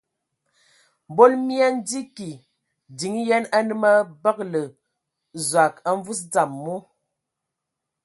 Mbol mii andzi kig din yen anǝ mə abǝgǝlǝ Zɔg a mvus dzam mu.